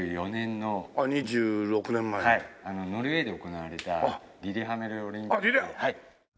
ノルウェーで行われたリレハンメルオリンピック。